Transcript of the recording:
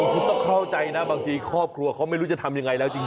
คุณต้องเข้าใจนะบางทีครอบครัวเขาไม่รู้จะทำยังไงแล้วจริง